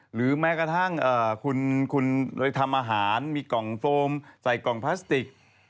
หรือแม้กระทั่งคุณเลยทำอาหารมีกล่องโฟมใส่กล่องพลาสติก